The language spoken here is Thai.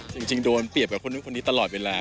จริงโดนเปรียบกับคนนู้นคนนี้ตลอดเวลา